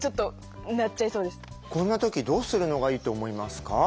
こんな時どうするのがいいと思いますか？